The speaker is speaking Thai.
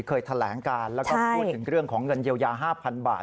เคยแถลงการแล้วก็พูดถึงเรื่องของเงินเยียวยา๕๐๐๐บาท